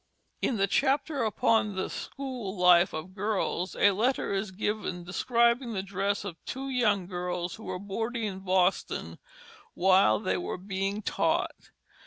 In the chapter upon the school life of girls a letter is given describing the dress of two young girls who were boarding in Boston while they were being taught.